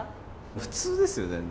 普通ですよ、全然。